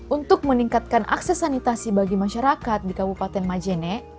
untuk meningkatkan akses sanitasi bagi masyarakat di kabupaten majene